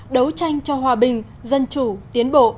đấu tranh cho hòa bình dân chủ tiến bộ